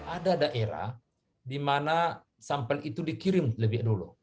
ada daerah di mana sampel itu dikirim lebih dulu